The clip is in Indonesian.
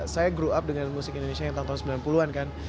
saya grup up dengan musik indonesia yang tahun tahun sembilan puluh an kan